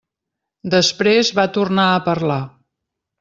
Després va tornar a parlar.